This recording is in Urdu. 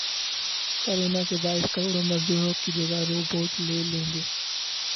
کورونا کے باعث کروڑ مزدوروں کی جگہ روبوٹ لے لیں گے